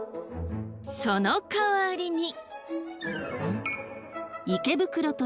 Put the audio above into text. そのかわりに。